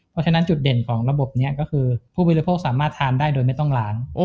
เพราะฉะนั้นจุดเด่นของระบบนี้ก็คือผู้บริโภคสามารถทานได้โดยไม่ต้องล้าง